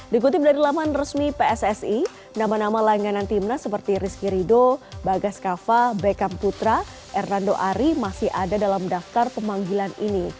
dikutip dari laman resmi pssi nama nama langganan timnas seperti rizky rido bagas kava beckham putra hernando ari masih ada dalam daftar pemanggilan ini